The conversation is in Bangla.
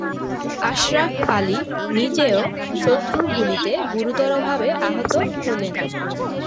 আশরাফ আলী নিজেও শত্রুর গুলিতে গুরুতরভাবে আহত হলেন।